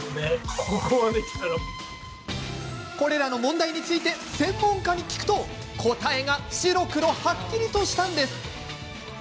これらの問題について専門家に聞くと答えが白黒はっきりとしたんです。